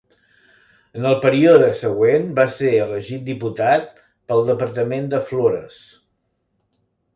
En el període següent va ser elegit diputat pel departament de Flores.